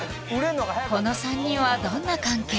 この３人はどんな関係？